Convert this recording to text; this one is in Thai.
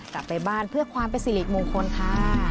กลับไปบ้านเพื่อความเป็นสิริมงคลค่ะ